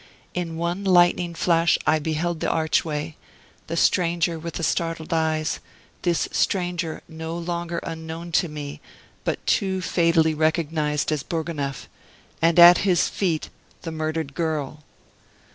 In one lightning flash I beheld the archway the stranger with the startled eyes this stranger no longer unknown to me, but too fatally recognized as Bourgonef and at his feet the murdered girl!